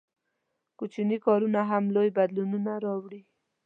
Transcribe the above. • کوچني کارونه هم لوی بدلونونه راوړي.